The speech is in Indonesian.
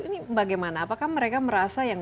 ini bagaimana apakah mereka merasa yang